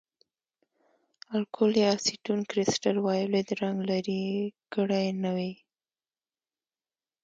الکول یا اسیټون کرسټل وایولېټ رنګ لرې کړی نه وي.